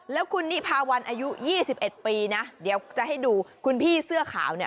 แล้วคุณนิพาวันอายุ๒๑ปีนะเดี๋ยวจะให้ดูคุณพี่เสื้อขาวเนี่ย